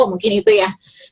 yang terjadi di wilayahnya